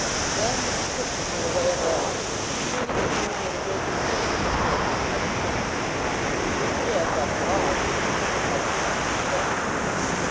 Then Mrs. Pipkin went away abashed, feeling that she had made a great mistake in preferring any other man to Mr. Montague, if, after all, recent difficulties were to be adjusted.